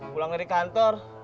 pulang dari kantor